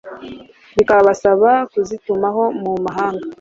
bikabasaba kuzitumaho mu mahanga,